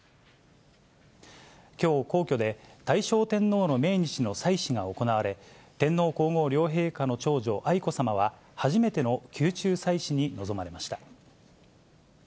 きょう、皇居で大正天皇の命日の祭祀が行われ、天皇皇后両陛下の長女、愛子さまは、初めての宮中祭祀に臨まれました。